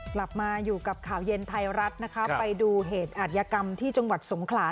กลับมาอยู่กับข่าวเย็นไทยรัฐนะคะไปดูเหตุอัธยกรรมที่จังหวัดสงขลา